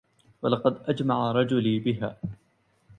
ولقد أجمع رجلي بها